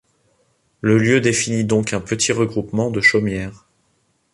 Le lieu définit donc un petit regroupement de chaumières.